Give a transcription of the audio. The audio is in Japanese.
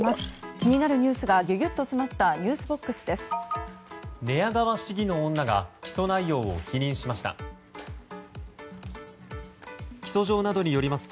気になるニュースがギュギュっと詰まったｎｅｗｓＢＯＸです。